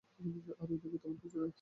আর এই দিকে তেমন কিছু নেই।